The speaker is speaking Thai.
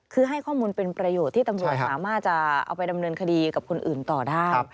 คือให้ข้อมูลเป็นประโยชน์ที่ตำรวจสามารถจะเอาไปดำเนินคดีกับคนอื่นต่อได้